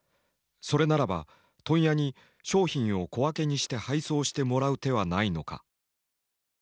「それならば問屋に商品を小分けにして配送してもらう手はないのか」。